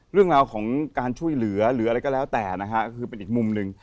เรื่องราวของการช่วยเหลือหรืออะไรก็แล้วแต่นะฮะก็คือเป็นอีกมุมหนึ่ง